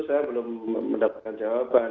saya belum mendapatkan jawaban